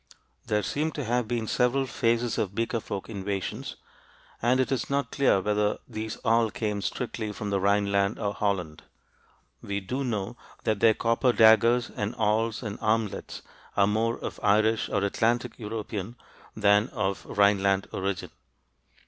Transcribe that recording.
There seem to have been several phases of Beaker folk invasions, and it is not clear whether these all came strictly from the Rhineland or Holland. We do know that their copper daggers and awls and armlets are more of Irish or Atlantic European than of Rhineland origin.